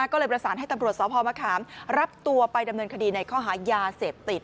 ก็เลยประสานให้ตำรวจสพมะขามรับตัวไปดำเนินคดีในข้อหายาเสพติด